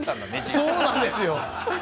そうなんですよ！